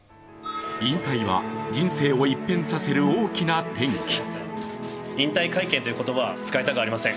引退は人生を一変させる大きな転機。